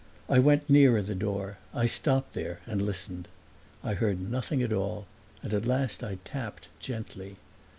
I went nearer the door; I stopped there and listened. I heard nothing at all and at last I tapped gently.